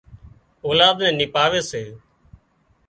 اولاد نين نپاوي سي